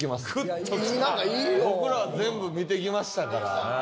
僕らは全部見てきましたから。